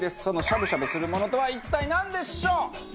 そのしゃぶしゃぶするものとは一体なんでしょう？